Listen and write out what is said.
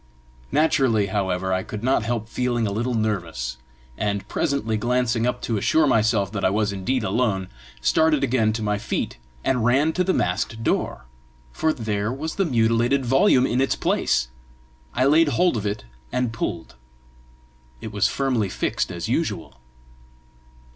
Naturally, however, I could not help feeling a little nervous, and presently glancing up to assure myself that I was indeed alone, started again to my feet, and ran to the masked door for there was the mutilated volume in its place! I laid hold of it and pulled: it was firmly fixed as usual!